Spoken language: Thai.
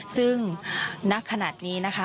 ซึ่งณขณะนี้นะคะ